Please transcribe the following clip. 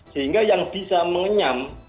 sehingga yang bisa mengenyam